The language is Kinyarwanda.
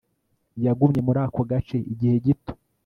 Yagumye muri ako gace igihe gito